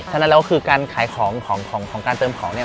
ฉะนั้นแล้วคือการขายของของการเติมของเนี่ย